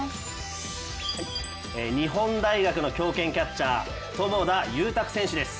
日本大学の強肩キャッチャー友田佑卓選手です。